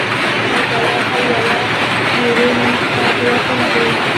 ستاسو یو ډالر او یوه یورو نن شپه په وطن کی